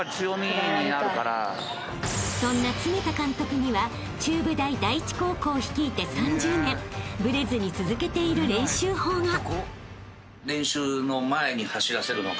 ［そんな常田監督には中部大第一高校を率いて３０年ブレずに続けている練習法が］